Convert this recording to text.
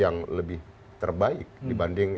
yang lebih terbaik dibanding